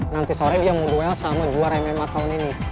nanti sore dia mau duel sama juara nma tahun ini